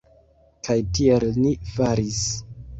Kaj tiel ni faris.